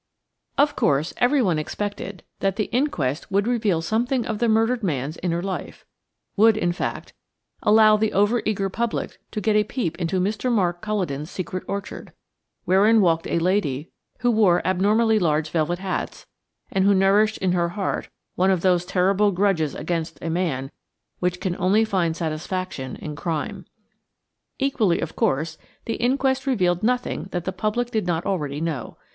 2 OF course, everyone expected that the inquest would reveal something of the murdered man's inner life–would, in fact, allow the over eager public to get a peep into Mr. Mark Culledon's secret orchard, wherein walked a lady who wore abnormally large velvet hats, and who nourished in her heart one of those terrible grudges against a man which can only find satisfaction in crime. Equally, of course, the inquest revealed nothing that the public did not already know.